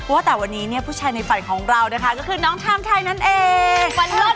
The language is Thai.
ว่าแต่วันนี้ผู้ชายในฝันของเรานำคือน้องชามชายนั้นเอง